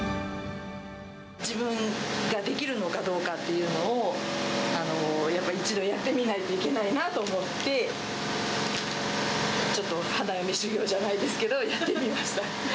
自分ができるのかどうかっていうのを、やっぱり一度やってみないといけないなと思って、ちょっと花嫁修業じゃないですけど、やってみました。